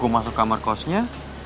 gue masuk kamar kosnya